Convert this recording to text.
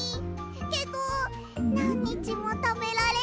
けどなんにちもたべられるのもいい！